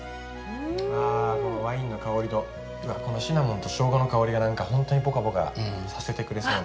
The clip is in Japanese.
あこのワインの香りとこのシナモンとショウガの香りがほんとにポカポカさせてくれそうな。